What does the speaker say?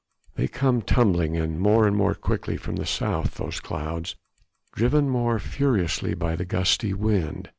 They come tumbling in more and more thickly from the south those clouds driven more furiously by the gusty wind.